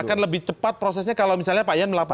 akan lebih cepat prosesnya kalau misalnya pak yan